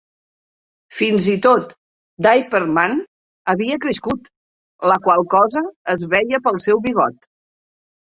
Fins i tot Diaper Man havia crescut, la qual cosa es veia pel seu bigot.